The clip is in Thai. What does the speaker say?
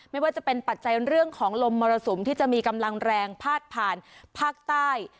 ไม่ว่าจะเป็นปัจจัยเรื่องของลมมรสุมที่จะมีกำลังแรงพาดผ่านภาคใต้